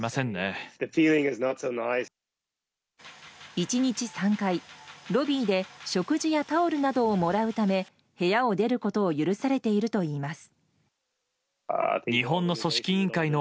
１日３回、ロビーで食事やタオルなどをもらうため部屋を出ることを許されているといいます。